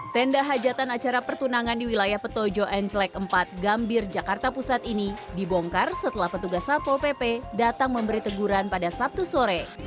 tenda hajatan acara pertunangan di wilayah petojo nklek empat gambir jakarta pusat ini dibongkar setelah petugas satpol pp datang memberi teguran pada sabtu sore